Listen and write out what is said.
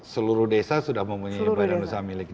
seluruh desa sudah memiliki